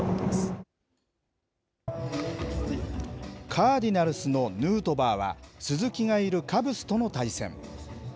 カーディナルスのヌートバーは、鈴木がいるカブスとの対戦。